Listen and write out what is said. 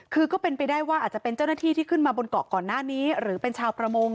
คือก็เป็นไปได้ว่าอาจจะเป็นเจ้าหน้าที่ที่ขึ้นมาบนเกาะก่อนหน้านี้หรือเป็นชาวประมง